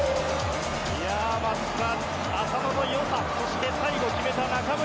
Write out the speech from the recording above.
松木さん、浅野の良さそして最後、決めた中村。